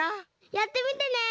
やってみてね！